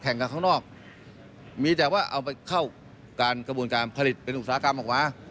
กับข้างนอกมีแต่ว่าเอาไปเข้าการกระบวนการผลิตเป็นอุตสาหกรรมออกมา